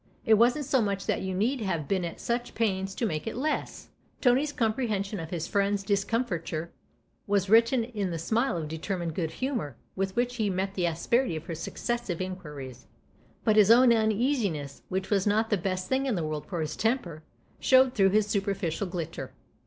" It wasn't so much that you need have been at such pains to make it less !" Tony's comprehension of his friend's discomfiture was written in the smile of determined good humour with which he met the asperity of her successive inquiries ; but his own uneasiness, which was not the best thing in the world for his temper, showed through this superficial glitter.